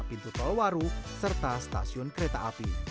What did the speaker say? pintu tol waru serta stasiun kereta api